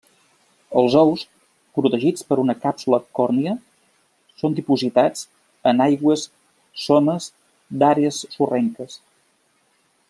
Els ous, protegits per una càpsula còrnia, són dipositats en aigües somes d'àrees sorrenques.